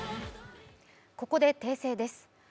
ここで訂正です。